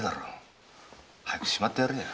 早くしまってやれよ。